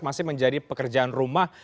masih menjadi pekerjaan rumah